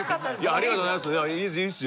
ありがとうございます。